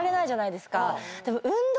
でも。